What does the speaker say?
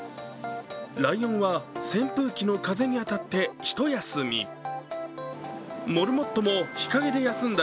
ライオンは扇風機の風に当たってひと休み。